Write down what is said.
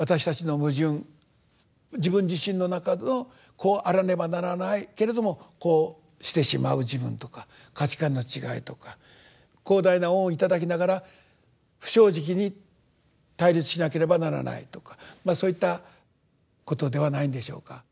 自分自身の中のこうあらねばならないけれどもこうしてしまう自分とか価値観の違いとか広大な恩を頂きながら不正直に対立しなければならないとかそういったことではないんでしょうか。